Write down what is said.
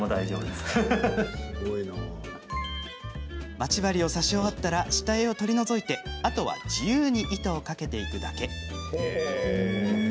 まち針を刺し終わったら下絵を取り除いてあとは自由に糸をかけていくだけ。